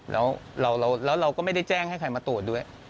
แล้วเราก็ไม่ได้แจ้งให้ใครมาตรวจด้วย